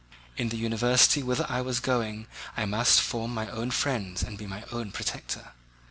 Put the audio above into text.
In the university whither I was going I must form my own friends and be my own protector.